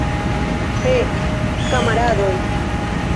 He, kamaradoj!